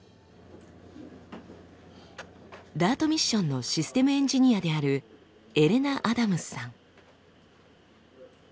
ＤＡＲＴミッションのシステムエンジニアであるエレナ・アダムスさん。